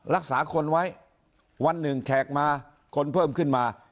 รักษาคนไว้วันหนึ่งแขกมาคนเพิ่มขึ้นมา